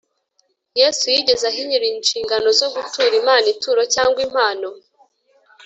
yesu yigeze ahinyura inshingano zo gutura imana ituro cyangwa impano